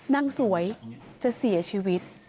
นางสวยจะเสียชีวิต